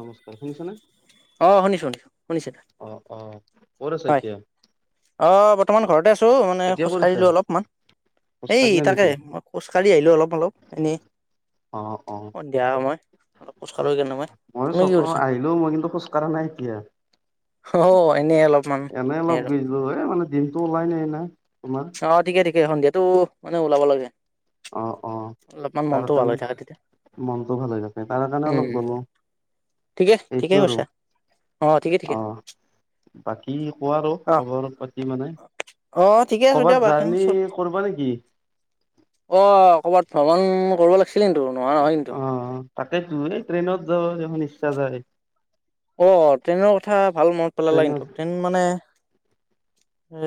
নমস্কাৰ শুনিছনে? অ শুনিছো শুনিছো শুনিছে অহ। অহ। ক'ত আছ' হয় এতিয়া? অ' বৰ্তমান ঘৰতে আছো। মানে এতিয়া ক'ত আছা? খোজকাঢ়িলো অলপমান। এই খোজকাঢ়িলা নেকি? তাকেহ। মই খোজকাঢ়ি আহিলো অলপ- অলপ- এনেই। অহ। অহ। সন্ধিয়া সময় অলপ খোজকাঢ়ো সেইকাৰণে মই তুমি কি কৰিছা [unintelligible] আহিলো। মই কিন্তু খোজ কঢ়া নাই এতিয়া। অহ অ' এনেই অলপ এনেই অলপ গেলো। হে মানে দিনটো ওলাই নাই না তোমাৰ। অহ। ঠিকে। ঠিকে। সন্ধিয়াটো মানে ওলাব লাগে। অহ। অহ। অলপমান তাৰ মনটো ভাল কাৰণে হৈ থাকে তেতিয়া মনটো ভালে থাকে। তাৰ কাৰণে অলপ গলো। ঠিকেই। সেইটো ঠিকেই আৰু কৈছা। অ' ঠিকে- ঠিকে। অ', বাকী কোৱা আৰু অ খবৰ পাতি মানে? অ' ঠিকে। আছো ক'বাত দিয়া বাকী জাৰ্ণি কৰবা নেকি? অ'হ। ক'বাত ভ্ৰমণ কৰব' লাগছিল কিন্তু। নোহোৱা নহয় কিন্তু অ', তাকেইতো, এই ট্ৰেইনত যাব দেখোন ইচ্ছা যায়। অ', ট্ৰেইনৰ কথা ভাল মনত পেলালা ট্ৰেইনত কিন্তু ট্ৰেইন মানে, এ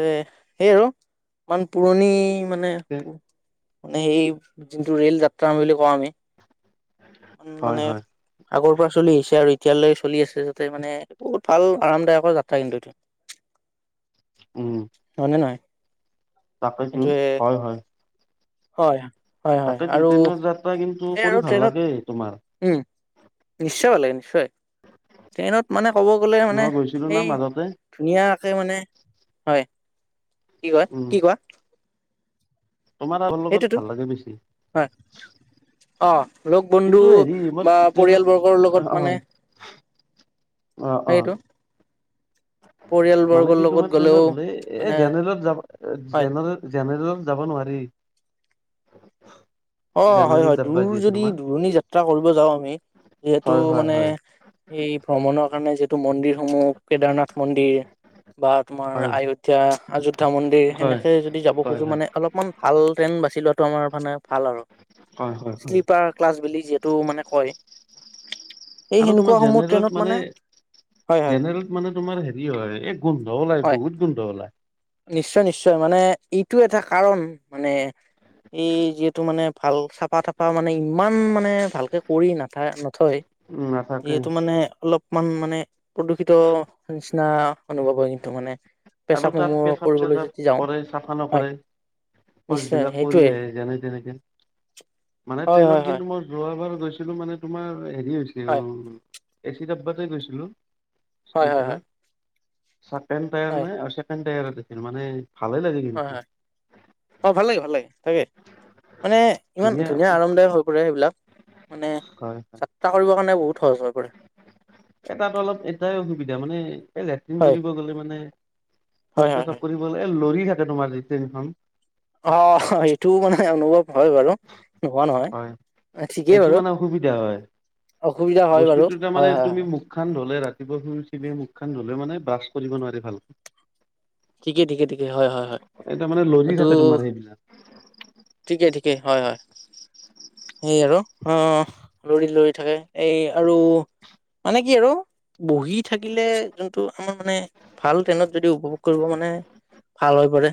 সেই আৰু ইমান পুৰণি মানে, মানে, সেই যোনটো ৰেল যাত্ৰা বুলি কওঁ আমি। উম, হয়, মানে, হয়, আগৰ পৰা চলি আহিছে আৰু এতিয়ালৈ চলি আছে। [unintelligible] তাতে মানে বহুত ভাল আৰামদায়কৰ যাত্ৰা কিন্তু এইটো উম। হয়নে নহয়? তাকেটো সেইটোয়ে হয়, হয়। হয়। হয় হয় তাকেটো, আৰু ট্ৰেইনৰ যাত্ৰা কিন্তু এই আৰু কৰি ভাল ট্ৰেইনত লাগে তোমাৰ। উম, নিশ্চ ভাল লাগে নিশ্চয়, ট্ৰেইনত মানে ক'ব গ'লে মানে মই গৈছিলো না এই মাজতে ধুনীয়াকে মানে, হয়, কি কয়, উম কি কোৱা? তোমাৰ [unintelligible] লগত সেইটোতো ভাল লাগে বেছি। হয়। অ', লগ বন্ধু কিন্তু হেৰি মই বা ট্ৰেইনত পৰিয়ালবৰ্গৰ লগত হয় মানে অ', অ',। সেইটো মানে পৰিয়ালবৰ্গৰ কি লগত তোমাৰ, গ'লেও ট্ৰেইনত হ'লে এ মানে যেন ট্ৰেইনত যাবা হয় জেনেৰেল জেনেৰেলত যাবা নোৱাৰি। অ', হয়, জেনেৰেল হয়, ডাব্বা দূৰ যি আছে যদি তোমাৰ দূৰণি যাত্ৰা কৰিব যাও আমি যিহেতু হয় হয় মানে হয় এই ভ্ৰমণৰ কাৰণে যিহেতু মন্দিৰসমূহ, কেদাৰনাথ মন্দিৰ বা তোমাৰ হয় আয়োধ্যা অযোধ্যা মন্দিৰ, হয় সেনেকে যদি যাব হয় খোজো মানে অলপ অকমান ভাল ট্ৰেন বাছি লোৱাটো আমাৰ মানে ভাল আৰু হয় হয় হয় হয় শ্লিপাৰ ক্লাছ বুলি যিহেত টো মানে কয় সেই আৰু তোমাৰ সেনেকুৱাসমূহ ট্ৰেইনত জেনেৰেলত মানে হয় হয় জেনেৰেলত মানে তোমাৰ হেৰি হয় এই গোন্ধ ওলায়, হয় বহুত গোন্ধ ওলায়। নিশ্চয়, নিশ্চয়, মানে এইটো এটা কাৰণ মানে এই যিহেত মানে ভাল চাফা-তাফা মানে ইমান মানে ভালকে কৰি নাথা নথ থয় উম নাথাকে যিহেতু মানে, অলপমান মানে প্ৰদূষিত নিচিনা অনুভৱ হয় কিন্তু মানে। আৰু তাত পেচাবসমূহ কৰিবলৈ পেচাব-চেচাব যদি যাওঁ কৰে চাফা হয় নকৰে। শৌচ নিশ্চয় বিলাক কৰি সেইটোৱে আহে, যেনে তেনেকে। মানে হয় হয় ট্ৰেইনত হয় কিন্তু মই যোৱাবাৰ গৈছিলো মানে তোমাৰ হেৰি হৈছেল এচি ডাব্বাতে গৈছিলো হয় হয় হয় শ্লিপাৰত চাকেণ্ড হয় হয় টায়াৰনে আৰু ছেকেণ্ড টায়াৰত গৈছিল মানে ভালেই লাগিল। হয় কিন্তু। হয় অ', ভাল লাগে, ভাল লাগে, তাকে মানে, ইমান ধুনীয়া আৰামদায়ক হৈ পৰে সেইবিলাক মানে, হয় যাত্ৰা কৰিবৰ কাৰণে বহুত সহজ হৈ পৰে। এ তাত অলপ এটাই অসুবিধা মানে, এই লেট্ৰিন হয় কৰিব গ'লে মানে হয় শৌচ, হয় পেচাব হয় কৰিবলে এ লৰি থাকে তোমাৰ টেনখন। অ', হ সেইটোও মানে অনুভৱ হয় বাৰু নোহোৱা নহয়। হয় ঠিকেই সেইটো বাৰু মানে অসুবিধা হয়, অসুবিধা হয় বাৰু বস্তুটো তাৰ মানে হয় হয় তুমি হয় মো খান ধুলে ৰাতিপুৱা শুই উঠিলে মুখ খান ধুলে মানে ব্ৰাছ কৰিব নোৱাৰি ভালকে। ঠিকে, ঠিকে, ঠিকে, হয়, হয়, হয়, এই তাৰমানে লৰি এইটো থাকে তোমাৰ সেইবিলাক ঠিকে, ঠিকে, হয়, হয়। সেই আৰু অ', লৰি, লৰি থাকে এই আৰু মানে কি আৰু বহি থাকিলে যোনটো আমাৰ মানে ভাল ট্ৰেনত যদি উপভোগ কৰিব মানে ভাল হৈ পৰে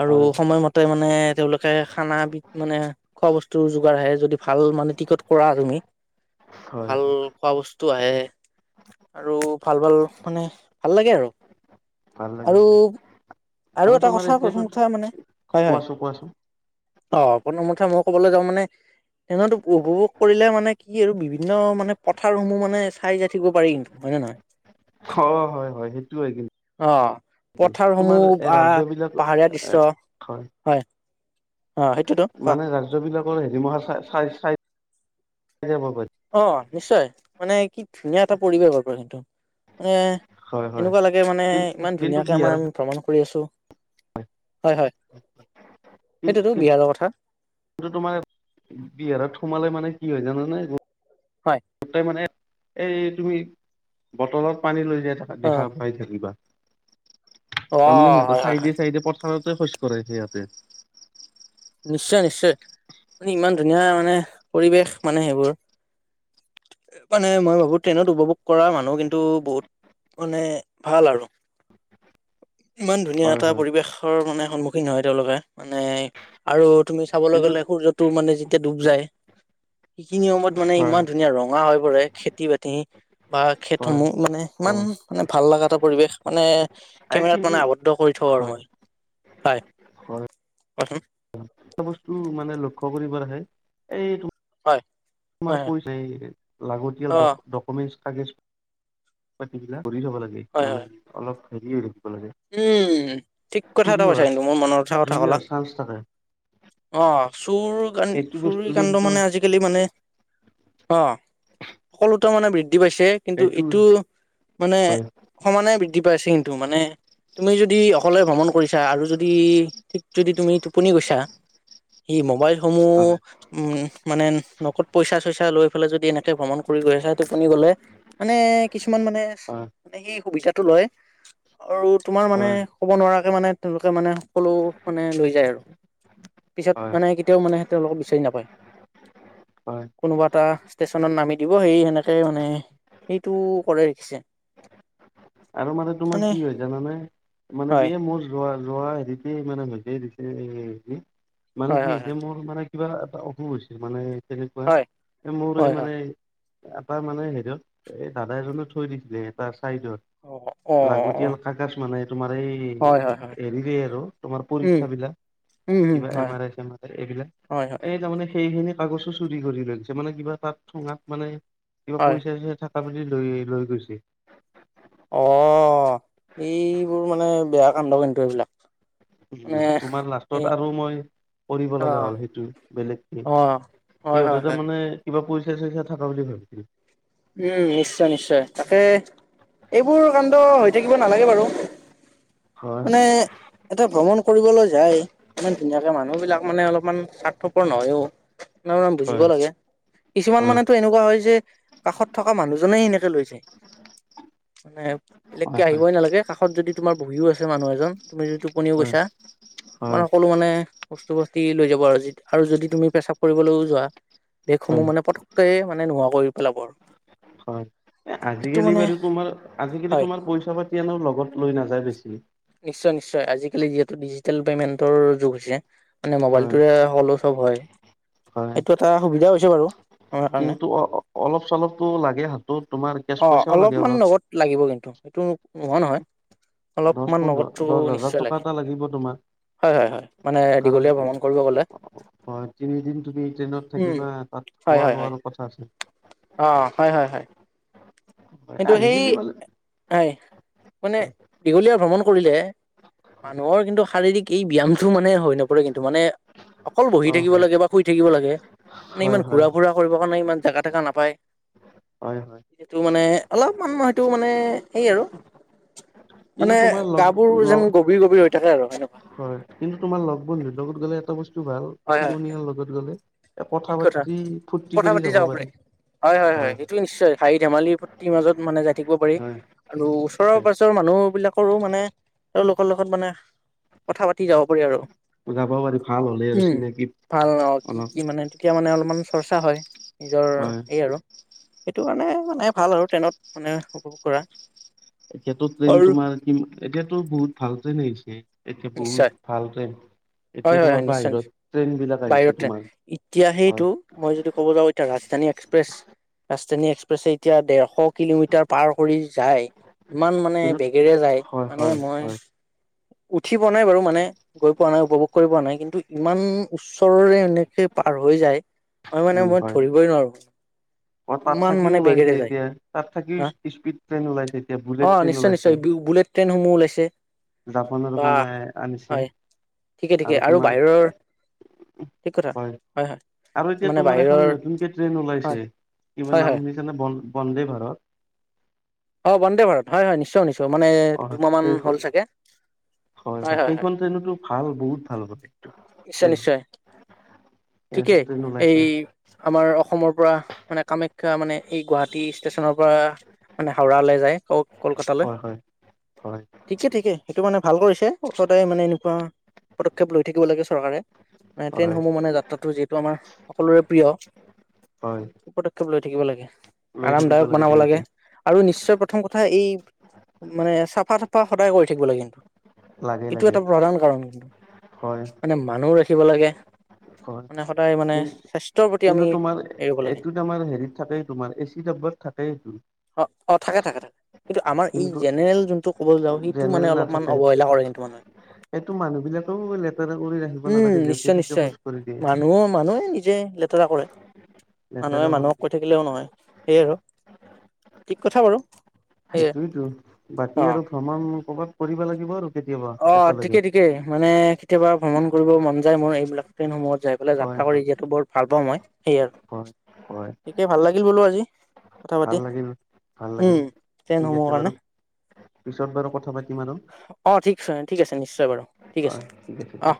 আৰু হয় সময়মত তাৰমানে, তেওঁলোকে খানা বিধ মানে খোৱা বস্তুৰ যোগাৰ আহে, যদি ভাল মানে টিকট কৰা তুমি হয় ভাল খোৱা বস্তু আহে আৰু ভাল, ভাল মানে ভাল লাগে আৰু ভাল লাগে আৰু [unintelligible] আৰু এটা তোমাৰ কথা, এতিয়াতো প্ৰথম কথা মানে, হয়, হয়। কোৱাচোন কোৱাচোন অ', প্ৰথমকথা মই কবলৈ যাওঁ মানে ট্ৰেইনত উপভোগ কৰিলে মানে কি আৰু বিভিন্ন মানে পথাৰসমূহ মানে চাই যাই থাকিব পাৰি, কিন্তু হয় নে নহ [unintelligible] অ', হয়, হয়, সেইটোয়ে কিন্ অ', টো তোমাৰ পথাৰসমূহ এই বা [unintelligible] বিলাক পাহাৰীয়া দৃশ্য হয়, অ', সেইটোতো কোৱা মানে ৰাজ যদি [unintelligible] হিমা চ চাই, চাই যাব পাৰ অ', নিশ্চয়, মানে কি ধুনীয়া এটা পৰিৱেশ হব পাৰে কিন্তু মানে হয় হয় এনেকুৱা লাগে মানে কিন ইমান কিন্তু ধুনীয়াকে বিহাৰ আমাৰ ভ্ৰমণ কৰি আছোঁ। হয়, হয়, সেইটোতো বিহাৰৰ কথা। সেইটো তোমাৰ বিহাৰত সোমালে মানে কি হয় জানানে হয়। গোটেই মানে এই তুমি বটলত পানী লৈ যাই থাক দেখা অ', পাই থাকিবা, তাৰমানে অ', সিহঁতে হয় হয় হয় চাইডে চাইডে পথ থাৰতে শৌচ কৰে সিহাতে। নিশ্চয়, নিশ্চয়, মানে ইমান ধুনীয়া মানে পৰিৱেশ মানে সেইবোৰ মানে মই ভাবো, ট্ৰেইনত উপভোগ কৰা মানুহ কিন্তু বহুত মানে ভাল আৰু ইমান ধুনীয়া হয় এটা হয় পৰিৱেশৰ মানে সন্মুখীন হয় তেওঁলোকে, মানে আৰু তুমি চাবলৈ কিন্তু গ'লে সূৰ্যটো মানে যেতিয়া ডুব যায়। সেইখিনি সময়ত মানে হয় ইমান ধুনীয়া ৰঙা হৈ পৰে। খেতি-বাতি বা হয় খেতসমূহ মানে, ইমান হয় মানে ভাল লগা এটা পৰিৱেশ মানে এই কেমেৰাত কিন্তু মানে আৱদ্ধ কৰি থওঁ আৰু হয় মই। হয় হয় [unintelligible] এটা বস্তু মানে লক্ষ্য কৰিব লাগে এইটো হয়। তোমাৰ হয় [unintelligible] লাগতিয়াল হয় অ ডকু ডকুমেণ্টচ কাগেজ পাতিবিলাক ঘূৰি ল'ব লাগে হয় মানে হয় অলপ হেৰি হৈ থাকিব লাগে। উম, ঠিক কথা চুৰি এটা কৈছা হোৱাৰ কিন্তু মোৰ মনৰ উথা কথা চুৰি ক'লা। হোৱাৰ চান্স থাকে অ', চুৰ কান এইটো চুৰি বস্তু কাণ্ড কিন্তু মানে আজি আজিকালি মানে, অ', সকলোতে মানে বৃদ্ধি পাইছে। কিন্তু এইটো মানে, হয় সমানে বৃদ্ধি পাইছে কিন্তু মানে তুমি যদি অকলে ভ্ৰমণ কৰিছা আৰু যদি ঠিক যদি তুমি টোপনি গৈছা সি মোবাইলসমূহ হয় উম মানে নখত পইচা চইচা লৈ পেলাই যদি, এনেকে ভ্ৰমণ কৰি গৈ আছা টোপনি গ'লে মানে কিছুমান মানে, হয় মানে সেই সুবিধাটো লয় আৰু তোমাৰ মানে হয় ক'ব নোৱাৰাকে মানে তেওঁলোকে মানে সকলো মানে লৈ যায় আৰু- পিছত হয় মানে কেতিয়াও মানে তেওঁলোকক বিচাৰি নাপায়। হয় কোনোবা এটা ষ্টেশচনত নামি দিব, সেই সেনেকে মানে- এইটো কৰাই ৰাখিছে। আৰু মানে তোমাৰ কি হয় জানানে মানে কি হয় এই মোৰ- যোৱা যোৱা হেৰিতেই মানে হৈছে দিছে হেৰি মানে হয় কি হয় হৈছে মোৰ মানে- কিবা এটা অসুখ হৈছে মানে তেনেকুৱা, হয় মোৰ এই হয় হয় হয় মানে- এটা মানে হেৰিত এই দাদা এজনে থৈ দিছিলে তাৰ চাইডত। অঁ, অঁ। লাগতিয়াল কাগাজ মানে তোমাৰ এই হয় হয় হেৰিৰে আৰু তোমাৰ উম পৰীক্ষা বিলাক- উম উম কিবা এম হয় R I same R I এইবিলাক, হয় হয় এই তাৰমানে সেইখিনিত- কাগছো চুৰি কৰি লৈছে মানে কিবা তাত থুঙাত মানে কিবা হয় পইচা চৈচা থা- লৈ লৈ গৈছে। অঁ, এইবোৰ মানে বেয়া কাণ্ড কিন্তু এইবিলাক। উম, মানে তোমাৰ এ লাষ্টত আৰু মই কৰিব অ লগা হ'ল সেইটো বেলেগকে। অ হয় হয় সিহঁতে তাৰ হয় মানে কিবা পইচা চইচা থকা বুলি ভাবিছিল। উম, নিশ্চয় নিশ্চয়। তাকে- এইবোৰ কাণ্ড হৈ থাকিব নালাগে বাৰু হয় হয় মানে- এটা ভ্ৰমণ কৰিবলৈ যায় ইমান ধুনীয়াকে মানুহ বিলাক মানে অলপমান স্বাৰ্থপৰ নহয়ওঁ, - নহয় মানে বুজিব হয় লাগে। কিছুমান হয় মানেতো এনেকুৱা হয় যে- কাষত থকা মানুহজনেই এনেকে লৈ যায় মানে বেলেগকে হয় হয় আহিবই নালাগে, কাষত যদি- তোমাৰ বহিও আছে মানুহ এজন, তুমি যদি টোপনিও হয় গৈছা- তোমাৰ হয় সকলো মানে বস্তু বস্তি লৈ যাব আজি আৰু যদি তুমি প্ৰশ্ৰাৱ কৰিবলৈও যোৱা- বেগসমূহ হয় মানে পতকৈ মানে নোহোৱা কৰি পেলাব আৰু। হয়। এ সেইটো আজিকালি মানে বাৰু তোমাৰ আজিকালি হয় তোমাৰ পইচা পাতি এনেও লগত লৈ নাযায় বেছি। নিশ্চয় নিশ্চয়, আজিকালি যিহেতু ডিজিটেল পেমেন্টৰ যুগ হৈছে মানে হয়, মবাইলটোৰে সকলো, - চব হয়, হয়। এইটো এটা সুবিধাও হৈছে বাৰু। আমাৰ কাৰণে কিন্তু অ অলপ চলপটো লাগে হাতত তোমাৰ কেচ পইচাও লাগে অলপ। লগত লাগিব কিন্তু সেইটো নোহোৱা নহয়। দহ- অলপমান পোন্ধৰ নগদটো দহ হাজাৰ নিশ্চয় টকা লাগে এটা লাগিব তোমাৰ। হয় হয় হয় মানে কাৰণ- দীঘলীয়া ভ্ৰমণ কৰিব গ'লে হয়, তিনিদিন তুমি ট্ৰেইনত উম থাকিবা তাত খোৱা লোৱাৰো কথা আছে। অঁ হয়, হয়, হয়। হয় কিন্তু সেই আজিকালি মানে হয় মানে হয় দীঘলীয়া ভ্ৰমণ কৰিলে- মানুহৰ কিন্তু শাৰীৰিক এই ব্যায়ামটো মানে হৈ নপৰে কিন্তু মানে- অকল বহি অ' থাকিব হয়, লাগে বা শুই থাকিব লাগে মানে হয়, ইমান হয়, ঘূৰা ফুৰা কৰিবৰ কাৰণে ইমান জেগা থেকা নাপায়। হয়, হয়। সেইটো মানে অলপ মান সেইটো মানে সেই আৰু। কিন্তু মানে তোমাৰ লগ গা বোৰ যেন লগ গভীৰ গভীৰ হৈ থাকে আৰু সেনেকুৱা। হয় কিন্তু তোমাৰ লগ বন্ধুৰ লগত গ'লে এটা বস্তু ভাল, হয় হয় সমনিয়াৰ লগত গ'লে- এহ কথা পাতি ফূৰ্তি কৰি যাব পাৰি, হয়। হাঁহি ধেমালিৰ ফূৰ্তিৰ মাজত মানে যাই থাকিব পাৰি। হয় আৰু ওচৰৰ হয়, পাজৰৰ মানুহ বিলাকৰো মানে তেওঁলোকৰ লগত মানে- কথা পাতি যাব পাৰি আৰু, যাব পাৰি ভাল হ'লে আৰু উম চিনাকি ভাল ন কি অলপ কি মানে- তেতিয়া মানে অলপমান চৰ্চা হয় নিজৰ হয় এই আৰু। সেইটো কাৰণে মানে ভাল আৰু ট্ৰেইনত মানে উপভোগ কৰা। এতিয়াতো ট্ৰেইন আৰু তোমাৰ কি এতিয়াতো বহুত ভাল ট্ৰেইন আহিছে এতিয়া নিশ্চয় বহুত ভাল ট্ৰেইন। হয় এতিয়া হয় তোমাৰ হয় নিশ্চয় বাহিৰত নিশ্চয় ট্ৰেইন বিলাক আহিছে বাহিৰৰ ট্ৰেইন তোমাৰ এতিয়া হয় সেইটো। মই যদি ক'ব যাওঁ এতিয়া ৰাজধানী এক্সপ্ৰেছ। ৰাজধানী এক্সপ্ৰেছে এতিয়া ডেৰশ কিলোমিটাৰ পাৰ কৰি যায় ইমান মানে কিন্তু বেগেৰে যায় হয় মানে হয় মই হয় উঠি পোৱা নাই বাৰু মানে গৈ পোৱা নাই উপভোগ কৰিব পোৱা নাই কিন্তু ইমান ওচৰৰে এনেকে পাৰ হৈ যায়। হয় মানে উম মই হয় ধৰিবই নোৱাৰো। অ তাত ইমান থাকিও মানে ওলাইছে বেগেৰে যায় এতিয়া তাত থাকি হা স্পীড ট্ৰেইন ওলাইছে এতিয়া অ বুলেট ট্ৰেইন নিশ্চয় ওলাইছে নিশ্চয় বুলেট ট্ৰেইনসমূহ ওলাইছে। জাপানৰ বা বনাই আনিছে হয় ঠিকে ঠিকে আৰু তোমাৰ বাহিৰৰ এ ঠিক কথা হয় হয় হয় আৰু এতিয়া মানে তোমাৰ বাহিৰৰ এখন নতুনকে ট্ৰেইন হয় ওলাইছে। কিবা হয় নাম হয় শুনিছানা বন্দে ভাৰত অঁ বন্দে ভাৰত হয় নিশ্চয় নিশ্চয় শুনিছোঁ। অ সেইখন হয় হয় সেইখন ট্ৰেইনটো ভাল বহুত। ভাল হ'ব নিশ্চয় ট্ৰেইন নিশ্চয় এইখন ঠিকেই ট্ৰেইনো এই ওলাইছে। আমাৰ অসমৰ পৰা মানে কামাখ্যা মানে এই গুৱাহাটী ষ্টেচনৰ পৰা। মানে হাওৰা লৈ যায় ও কলকাতালৈ হয় হয় হয় ঠিকে ঠিকে সেইটো মানে ভাল কৰিছে ওচৰতে মানে এনেকুৱা পদক্ষেপ লৈ থাকিব লাগে চৰকাৰে ট্ৰেইন হয় সমূহ মানে যাত্ৰাটো যিটো আমাৰ সকলোৰে প্ৰিয় হয় পদক্ষেপ লৈ থাকিব লাগে লৈ থাকিব আৰামদায়ক বনাব তেনেকে লাগে। আৰু নিশ্চয় প্ৰথম কথা এই মানে চাফা তাফা সদায় কৰি থাকিব লাগে কিন্তু লাগে এইটো লাগে এটা প্ৰধান কাৰণ। হয় মানে মানুহ ৰাখিব লাগে হয় মানে সদায় মানে কি স্বাস্থ কিন্তু তোমাৰ এইটো তোমাৰ হেৰিত থাকেই তোমাৰ এচি ডাবত থাকেই এইটো। অঁ অঁ থাকে থাকে থাকে কিন্তু আমাৰ এই জেনেৰেল যোনটো ক'বলৈ যাওঁ সেইটো মানে অলপমান অৱহেলা কৰে কিন্তু মানুহে। সেইটো মানুহ বিলাকেও লেতেৰা কৰি ৰাখে। উম নিশ্চয় নিশ্চয় মানুহ মানুহেই নিজে লেতেৰা কৰে মানুহে লেতেৰা কৰি মানুহক কৈ দিয়ে থাকে থাকিলেও নহয় সেয়ে আৰু ঠিক কথা বাৰু। সেয়ে সেইটোৱেইটো অ বাকী আৰু ভ্ৰমণ কৰবাত কৰিব লাগিব আৰু কেতিয়াবা অ একেলগে ঠিকেই ঠিকে মানে কেতিয়াবা ভ্ৰমণ কৰিব মন যায় মোৰ এইবিলাক ট্ৰেইন সমূহত। যাই পেলাই হয় যাত্ৰা কৰি হয় যিহেতু বৰ ভাল পাওঁ মই সেইয়ে আৰু হয় হয় তেতিয়া ভাল লাগিল বোলো আজি কথা ভাল পাতি লাগিল ভাল লাগিল উম ঠিক ট্ৰেইনসমূহৰ আছে কাৰণে বাৰু পিছত বাৰু কথা পাতিম আৰু অ ঠিক আছে ঠিক আছে নিশ্চয় বাৰু ঠিক আছে হয় ঠিক আছে দিয়া। অ